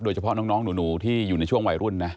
โดยเฉพาะน้องหนูที่อยู่ในช่วงวัยรุ่นนะ